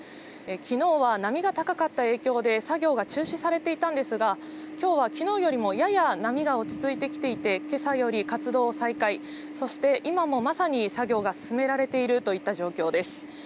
きのうは波が高かった影響で作業が中止されていたんですが、きょうはきのうよりもやや波が落ち着いてきていて、けさより活動再開、そして今もまさに作業が進められているといった状況です。